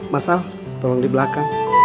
mas al tolong di belakang